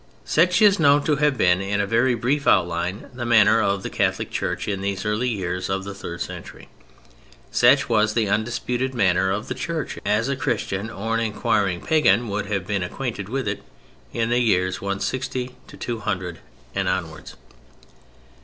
Such is known to have been, in a very brief outline, the manner of the Catholic Church in these early years of the third century. Such was the undisputed manner of the Church, as a Christian or an inquiring pagan would have been acquainted with it in the years 160 200 and onwards.